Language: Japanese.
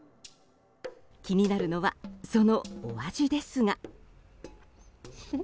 気になるのはそのお味ですが。